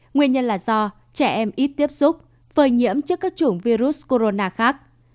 nguyên nhân là do trẻ em ít tiếp xúc phơi nhiễm trước các chủng virus corona khác